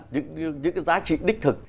những cái giá trị đích thực